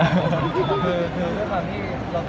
มีโครงการทุกทีใช่ไหม